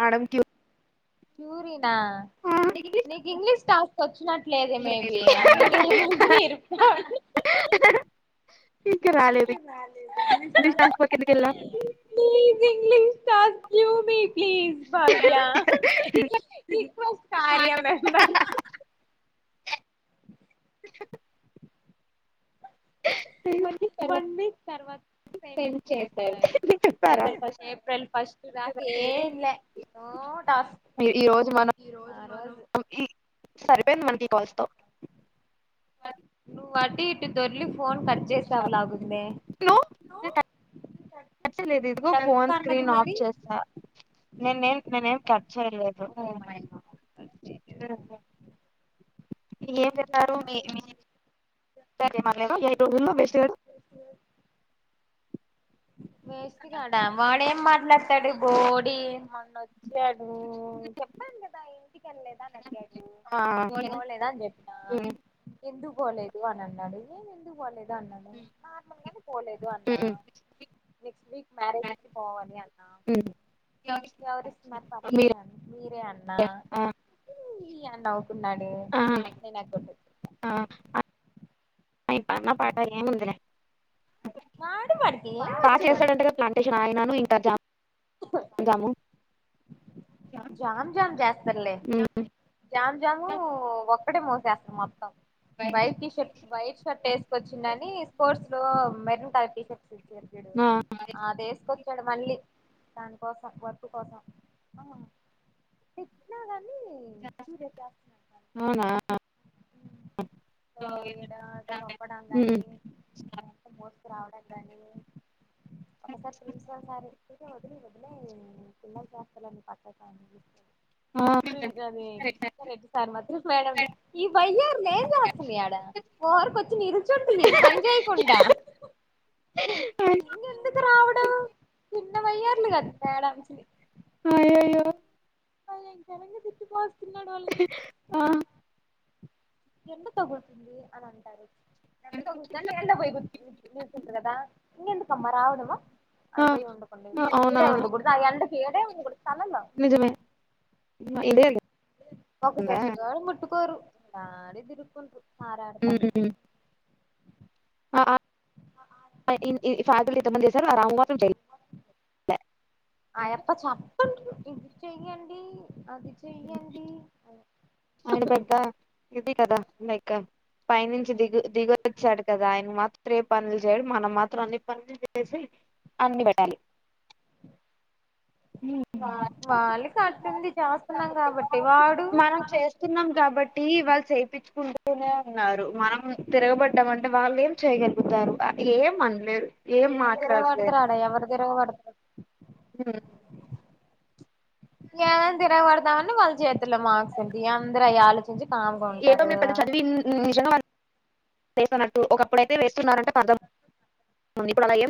మడం క్యూ చూరినా నీకు ఇంగ్లీష్ టాస్ వచ్చినట్లేదు మేబి అందుకే ఏ మరు ఇంకా నంగ్ చ క్యూ ప్లీలీస్ బాగ్య ఇకు కార్య మంబర్ చె మండి తర్వాత ఫెస్తా ఏప్రిల్ ఫస్ట్ రాక ఏంలే టాస్ ఈరోోజు మనం సరిపోయింది మనకి కాల్స్తో ను వాటి దొర్లి ఫోన్ కట్ చేస్తావు లాగుందే నచ్చలేదు ఇదిగో ఫోన్ స్క్రీన్ ఆఫ్ చేస్తా నేనే ఏం నేనే ఏం కట్ చేయలేదు ఏం తతారు మీ మీ బష వేస్గాడ వాడ ఏం మాట్లాడతాడు బోడి మన్నచ్చ చ్చాడు చెప్పాను కదా ఇంటికని లేదా అని అడిగాడు పోలేదా చెప్పినా ఎందు పోలేదు అని అన్నాడు నేను ఎందుకు పోలేదు అన్నాను నార్మల్గానే పోలేదు అన్నా క్ వీక్ మ్యారేజ్ి పోవాలి అన్న ఎవరిస్తు మ పను మీరే అన్న అ నాకున్నాడు నా కొంట ఇప్ప అన్న పాట ఏం ముందిర బాగా చేస్తాడంటేగా ప్లాంటేషన్ అయినాను ఇంకాాముాము జామ్ జామ్ జాస్తర్లే జామ్ జాము ఒక్కటే మూసేస్తాం మొత్తం white T shirt white shirt వేసుకొచ్చిందని స్పోర్ట్స్ లో మెరింట టీషర్స్ర్డుదిేసుకొచ్చ ఇక్కడ మళ్ళీ దాని కోసం వర్క్ కోసం అవునా ఉ [unintelligible] ఇదంతా మోసుకు రావడం కానీ ఒకసారి ప్రిన్సిపల్ సారె [unintelligible] వదిలే వదిలే పిల్లలు చేష్టలని పక్కకి ఆ ప్రీమ్ అదే రెడీసారీ మాత్రం మేడం ఈ వయ్యర్ లు ఏం చేస్తున్నాయి ఆడ [unintelligible] కొచ్చి నిల్చుటున్నాయి పన్ చేయకుండా అ ఇంకా ఎందుకు రావడం చిన్న వయ్యార్లు కాదు మేడమ్స్ అయ్యో అయ్యో అయ్యో [unintelligible] తిట్టి పోస్ ఆ ఎండ తగులుతుంది అని అంటారు ఎండ తగులుద్దని నీడలో పోయి కూర్చు నిల్చుటారు కాదా ఇంకెందుకమ్మ రావడము అడు పోయి ఉండుకుండి ఈడే ఉండు కూడితే ఆ ఎండ కి ఈడే ఉండు నిజమే ఇదెగా ఒక చెట్టుగాడు ముట్టుకోరు ఇడ దిరుకుంట్రు ఆరాడతాం [unintelligible] ఎంతమంది సార్ ఒ [unintelligible] చేయండి అది చేయండి ఆయన పెద్ద ఇది కదా లెక్క పై నుంచి దిగ్ దిగు వొచ్చాడు కదా ఆయన మాత్రము ఏమ్ పనులు చేయడు మనం మాత్రం అన్ని పనులు చేయాలి చేసి అన్ని పెట్టాలి. వాళ్ళు కట్టింది చేస్తున్నాం కాబట్టి వాడు చేస్తున్నాం కాబట్టి వాళ్ళు చేపించుకుంటూనే ఉన్నారు మనం తిరగబడ్డాం అంటే వాళ్ళు ఏం చే [unintelligible] ఏమ్ తిరగబడతారు ఆడా ఎవరు తీరగా పడుతారు ఉ ఏమని తిరగబడదామని వాళ్ళ చేతుల్లో మార్క్స్ ఉంటాయి అందరూ అయ్యే ఆలోచిస్తారు. ఏదో మీ పెద్ద చదివి ని నిజంగా చేతన్నట్టు ఒకప్పుడుతే వేస్తున్నారంటే పంతొమ్ ఇప్పుడు అలా ఏమ్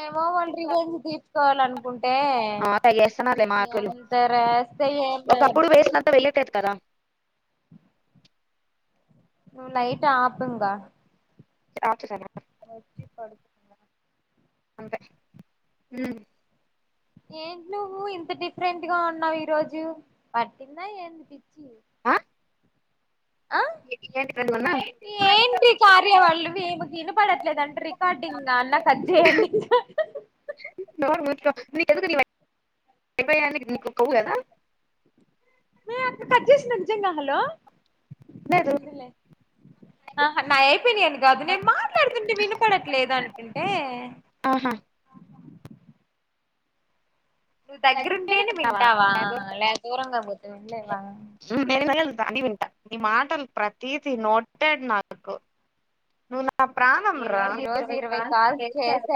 ఏమో వాళ్ళు రివెన్జ్ తీసుకోవాల అనుకుంటు ఏ ఎంత రాస్తే ఏం లే ను నైట్ ఆపు ఇంకా [unintelligible] వచ్చి పడుకున్న అంతే ఉ ఏంటి నువ్వు ఇంత డిఫరెంట్ గా ఉన్నావు ఈ రోజు పట్టిందా ఏంది ఆ ఏ ఏంది ప్రవీన్న ఏంటి కార్యవాళ్ళు ఈమెకి వినపడట్లేదంట రికార్డింగ్ అన్న కట్ చేయండి నోరు మూసుకో నీకు ఎందుకు [unintelligible] నీకు కొవ్వు కాదా మీ అక్క కట్ చేసిందే నిజంగా హలో ఉంది లే హ ఆ నాయి అయిపోయినాయి అని కాదు నేను మాట్లాడుతుంటే వినపడట్లేదు అంటుంటే ఆహా నువ్వు దగ్గరుంటే వింటావా లే దూరంగా పోతే వినలేవా నోయల్ అన్ని వింటా నీ మాటలు ప్రతి ది నోటెడ్ నాకు నువ్వు నా ప్రాణం రా చేశారు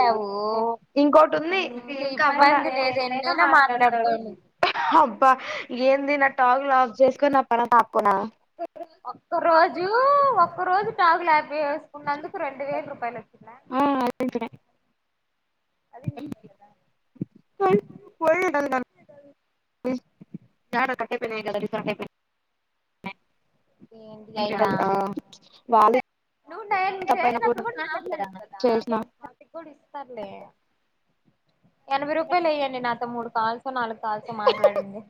ఇంకోటి ఉంది ఇంకా అవల ఏదైనా ఎన్నైనా మాట్లాడతారు అబ్బా ఏ ని నా టాక్ ఆఫ్ చేసుకుని నా ప తకుడా ఒక్క రోజు ఒక్క రోజు నాగు యాభై వేసుకున్నందుకు రెండు వేల రూపాయలు వ ఆ అదంటడ అది నిజమే కదా చ కట్ట పనీ గడి పని నీవళ వాళ నువ్వు నేను చేసినప్పుడు కూడా మాబ్లేదు కదా వాటికి కూడా ఇస్తారులే ఎనభై రూపాయలు వేయండి నాతో మూడు కాల్సో నాలుగు కాల్సో మాట్లాడింది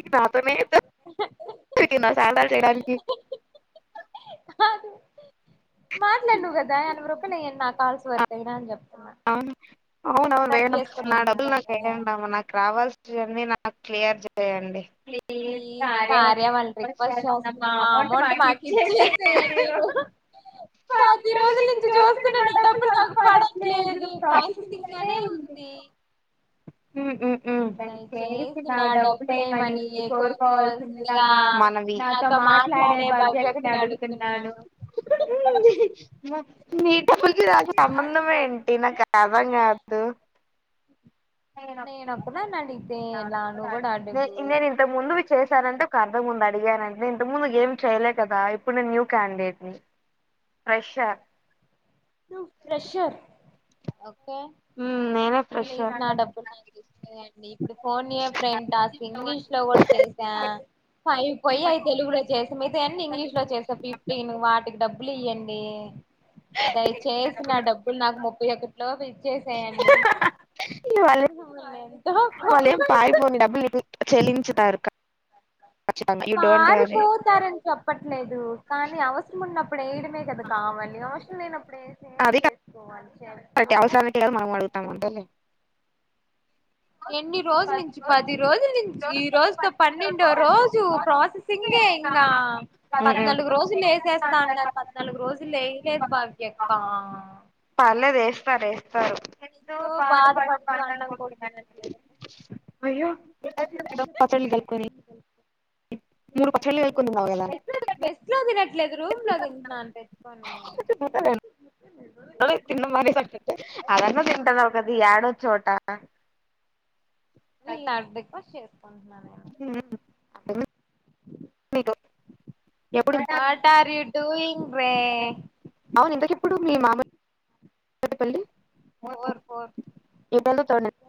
ఇకనాత న ఇది న్న సధాలు చేయడానికి మాట్లాడి గదా ఎనవ రూపాయ నే నా కాల్స్ వర్త ఇనా చెప్ప అవును అవున అవునుఅవునే నా డబ్బులు నాకు ఎయ్యండి అమ్మ నాకు రావాల్సినవి అన్నీ నాకు క్లియర్ చేయండి ప్లీజ్ కార్య వాళ్ళని రిక్వెస్ట్ చేస్తున్నాం మా అమౌంట్ మాకు ఇచ్చేసేయండి పది రోజుల నుంచి చూస్తునాను డబ్బులు నాకు పడ ఏట్లేదు ప్రోసెసింగ్ లోనే ఉంది దయ చేసి నా డబ్బులైయమని కోరుకోవాల్సిందిగా మనవి మాట్లాడే బావ్యక్క నీ అడుగుతున్నాను నీ డబ్బులకి నాకు సంబంధం ఏంటి నాకు అథం కాదు నేను ఒక్కదానిన్నండి నేను ఇంతకు ముందు మీకు చేశానంటే ఒక అర్ధం ఉంది అండి అడిగానంతె ఇంతకు ముందు ఏం చెయలే కదా ఇప్పుడు నేను న్యూ క్యాండిడేట్ ని రష్యా నేను ఫ్రెషర్ పో ప్లీజ్ నా డబ్బులు నాకు ఇచ్చేయండి ఇప్పుడు ఫోన్య ఏ ఫ్రెండ్ టాస్క్ ఇంగ్లీష్ లో కూడా చేస్త ఫైవ్ పోయి అవి తెలుగులో చేసి మిగతావన్నీ ఇంగ్లీష్ లో చేశా ఫిఫ్టీన్ వాటికి డబ్బు డబ్బులు ఇయ్యండి దయచేసిన నా డబ్బులు నాకు ముప్పై ఒకటి లోపూ ఇచ్చేసేయండి ఎంతో [unintelligible] పారిపోతారని చెప్పట్లేదు కానీ అవసరం ఉన్నప్పుడు అప్పుడు వేయడమే కదా కావాలి అవసం లేనప్పుడు వేస్తే ఏం చేసుకోవాలి బట్ అవసరాలకే కధ మనం అడుగుతాం అంతేలే ఎన్ని రోజుల నుంచి పది రోజులు నుంచి ఈ రోజుతో పన్నెండో రోజు ప్రాసెసింగ్ అంతే ఇంకా పద్నాలుగు రోజులు వేసేస్తా అన్నారు పద్నాలుగు రోజులు వేయలేదు బాగ్యం ఆ పర్లేదు ఎస్తారు ఎస్తారు నువ్వు బాధ పడకు అన్నం గూడ [inaudible] వేస్ట్ లో ఇట్ల అది రూమ్లో తింటున్నారు తెచ్చుకుని అదే తిండం మానేశా అనుకో అలానో తింటాది కద ఏడో చోట నేను అల్లని రిక్వెస్ట్ చేసుకుంటున్నాను హ్మ్ మీరు వాట్ అర్ యూ డూయింగ్ రే అవును ఇంతకిప్పుడు మీ మామ య్య పెల్లి [unintelligible]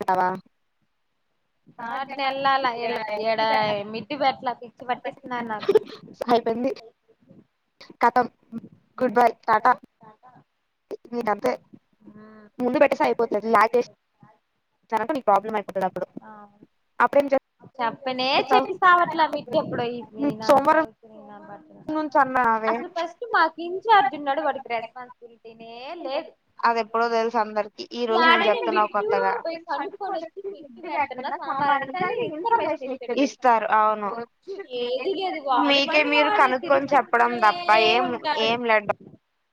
తిన్నావ సాడే నెళ్లలా ఈడ మిడ్టి పెట్టలా తెచ్చి పట్టిస్తున్నారు నాకు కథమ్ గుడ్ బై టాట మీరంతె ముందు పెట్టేసి అయిపొతది లాగెస్ట్ నీకు ప్రాబ్లం అయిపోతది అప్పుడు అప్పుడేం చేస్తా చెప్పనే చెప్పి సావట్లా మిడ్ ఎప్పుడో ఈ నా సావు ఈ నా సావు కి ఇట్నుంచి అన్న రావే మాకు ఇన్ఛార్జ్ ఉన్నాడు వాడికి రెస్పాన్సిబిలిటీనే లేదు అది ఎప్పుడో తెలుసు అందరికి ఈ రోజు నువ్వు చెప్తున్నావు కొత్తగా ఇస్తారు అవును మీకే మీరు కన్ కనుక్కొని చెప్పడం తప్ప ఏం ఏం లెటర్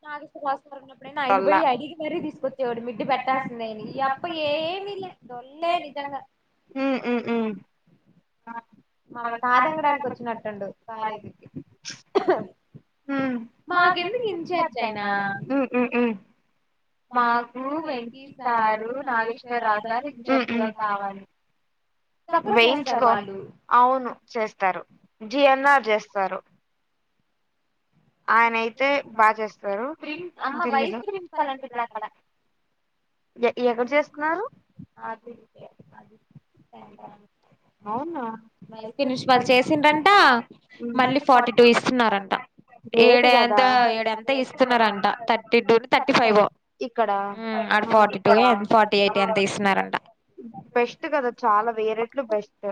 నా [unintelligible] నా ఐడి పోయి అడిగి మర్రీ తీసుకొచ్చేవాడు మిడ్డి పెట్టాల్సిందయని అప్ప ఏమీ లేొల్ హె నిజంగా ఉమ్ ఉ ఉ ఆ అ [unintelligible] హ మాకు ఎందుకు ఇంచార్జ అయినా మాకు వెంకీ గారు నాగేశ్వరరావు గారు ఇంచార్జ్గా కావాలి వేయించుకో అవును చేస్తారు జిఎన్ఆర్ చేస్తారు ఆయన అయితే బాగ చేస్తారు అమ్మ బయట తిప్పుతారంట అక్కడ ఎవరు చేస్తున్నారు ఆది అది శెంకరన్నాయు. అవునా వైస్ ఫినిష్ వాళ్ళు చేసిండ్రంట మళ్ళీ ఫార్టీ టూ ఇస్తున్నారంట ఏడ ఎంత ఏడ ఎంత ఇస్తున్నారంట thirty two thirty five forty two forty eight ఎంత తీస్తున్నారంట బెస్ట్ కదా చాల వేరేట్లు బెస్ట్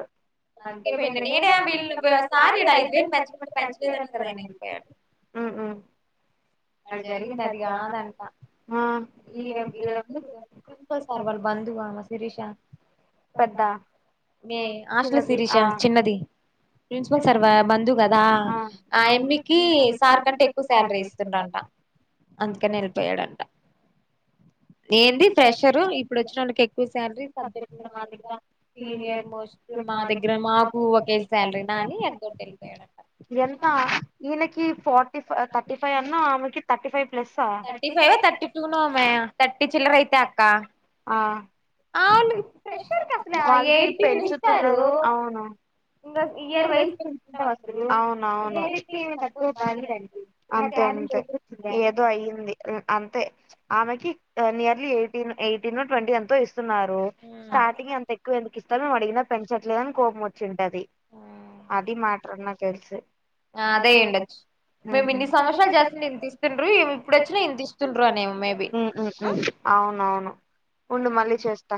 అందుకేపోయిన నేడ వీళ్ళు సార్ ఈడ ఐదు వేలు పెంచలే పెంచలేదనే కదా ఆయన అయిగిపోయాడు తన్ జరిగిన్ అదిి కాదంట ఈడ ప్రిన్స్పిపల్ సార్వల్ బందు అమ శిరీష మె హాస్టల్ శిరీష చిన్నది ప్రిన్సిపల్ సార్ బంధు కదా ఆ ఎమ్మికి సార్ కంటే ఎక్కువ శాలరీ ఇస్తంది ఎం దక్క అందుకనె వెళ్ళిపోయాడంట ఏంది ఫెషర్ ఇప్పుడు వచ్చిన వాళ్ళకి ఎక్కువ శాలరీ సబ్జెక్ట్ లో మా దగ్గర సీనియర్ మోస్ట్ మా దగ్గర మాకు ఒకే శాలరీనా అని అంతటి వెళ్ళిపోయాడంట ఎంత ఈయనకి ఫార్టీ ఫై్ థర్టీ ముఫైవ్ అన్నవ్ ఆమెకు ధర్టి ఫైవ్ ప్లస్ చిల్లరైతే అక్క ఆ ప్రెషర్ కట్ల ఎయిటీ న్ ఇస్తారు ఇ ఇయర్ వయిజ్ ప వస్తరు డైరెక్ట్ బతు బయిరెంంట అంతే అంతే ఏదో అయింది అంతే ఆమెకి నియర్లీ ఎయిటీన్ ఎయి ఎనో ట్వంటి ఎంత ఇస్తున్నారు స్టార్టింగ్ ఎంత ఎక్కువ ఎందుకు ఇస్తారో మే అడిగినా పెంచట్లేదని కోపం వచ్చింటా అది అది మాటన్న తెలుసు ఆ అదే ఉండచ్చ మేము ఇన్ని సంవత్సరాలు చేస్తుండే ఇంత ఇస్తుండ్రు ఏమి ఇప్పుడు వచ్చినా ఇంత ఇస్తుండ్రు అనే మేబి అవునవును ఉండు మళ్ళీ చేస్తా